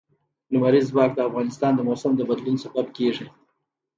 لمریز ځواک د افغانستان د موسم د بدلون سبب کېږي.